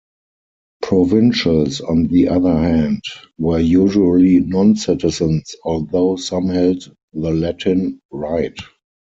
Provincials, on the other hand, were usually non-citizens, although some held the Latin Right.